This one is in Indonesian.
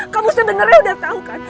kamu sebenernya udah tau kan